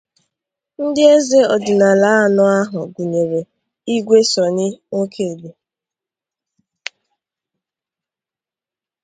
Ndị eze ọdịnala anọ ahụ gụnyere Igwe Sunny Nwokedi